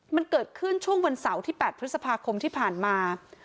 มันเกิดขึ้นช่วงวันเสาร์ที่๘พฤษภาคมที่ผ่านมา